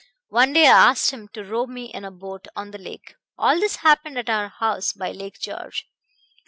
One day I asked him to row me in a boat on the lake all this happened at our house by Lake George.